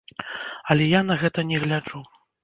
Але я на гэта не гляджу.